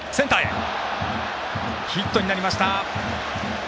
ヒットになりました。